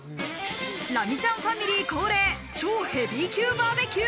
ラミちゃんファミリー恒例、超ヘビー級バーベキュー。